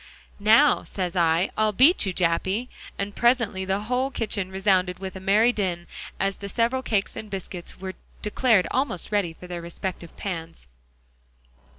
"Now, says I, I'll beat you, Jappy!" And presently the whole kitchen resounded with a merry din, as the several cakes and biscuits were declared almost ready for their respective pans.